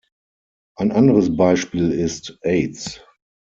Ein anderes Beispiel ist Aids.